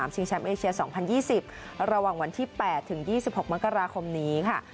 ชิงแชมป์เอเชีย๒๐๒๐ระหว่างวันที่๘ถึง๒๖มกราคมนี้ค่ะ